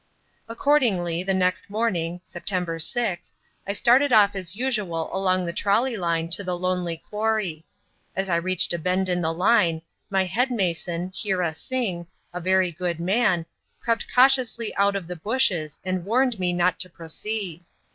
Accordingly the next morning (September 6) I started off as usual along the trolley line to the lonely quarry. As I reached a bend in the line, my head mason, Heera Singh, a very good man, crept cautiously out of the bushes and warned me not to proceed.